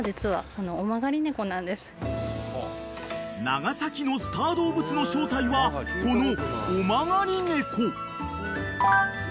［長崎のスター動物の正体はこの］